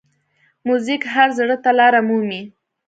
موزیک هر زړه ته لاره مومي.